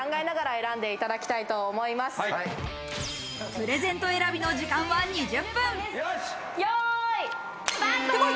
プレゼント選びの時間は２０分。